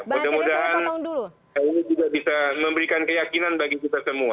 mudah mudahan ini juga bisa memberikan keyakinan bagi kita semua